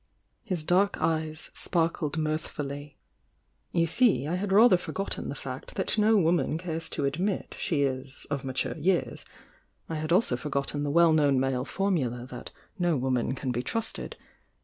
His dark eyes sparkled mirthfully. "You see I had rather forgotten the fact that no woman cares to admit she is 'of mature years,'— I had aiao forgotten the well known male formula that no woman can be trusted.'